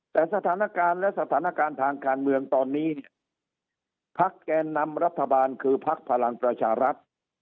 แต่สถานการณ์และสถานการณ์ทางการเมืองตอนนี้พักแกนนำรัฐบาลคือพักพลังประชารัฐ